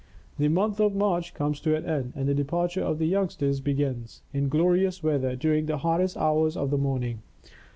The month of March comes to an end, and the departure of the youngsters begins, in glorious weather, during the hottest hours of the morning.